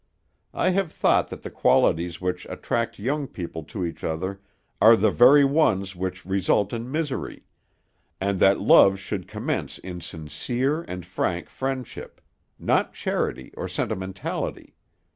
I have thought that the qualities which attract young people to each other are the very ones which result in misery: and that love should commence in sincere and frank friendship; not charity or sentimentality.